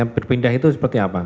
berpindah itu seperti apa